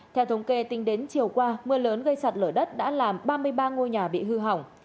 theo thống kê tính đến chiều qua mưa lớn gây sạt lở đất đã làm ba mươi ba ngôi nhà bị hư hỏng